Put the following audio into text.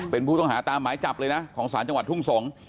เป็นผู้ต้องหาตามหมายจับเลยนะของสารจังหวัดทุ่งสงศ์